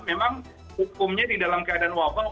memang hukumnya di dalam keadaan wabah